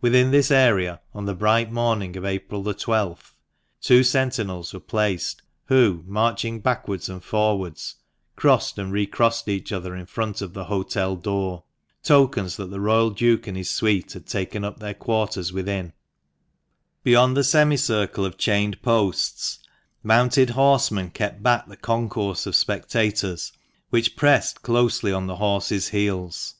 Within this area, on the bright morning of April the 12th, two sentinels were placed, who, marching backwards and forwards, crossed and recrossed each other in front of the hotel door ; tokens that the Royal Duke and his suite had taken up their quarters within. THE MANCHESTER MAN. 47 Beyond the semi circle of chained posts, mounted horsemen kept back the concourse of spectators which pressed closely on the horses' heels.